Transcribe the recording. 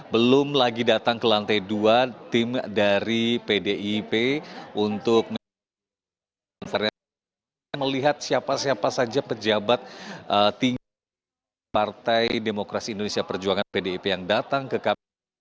belum lagi datang ke lantai dua tim dari pdip untuk mengkonferensi melihat siapa siapa saja pejabat tinggi partai demokrasi indonesia perjuangan pdip yang datang ke kpu